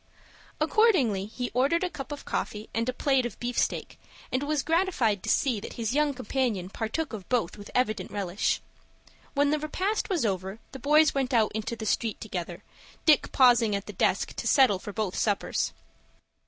Accordingly he ordered a cup of coffee, and a plate of beefsteak, and was gratified to see that his young companion partook of both with evident relish. When the repast was over, the boys went out into the street together, Dick pausing at the desk to settle for both suppers.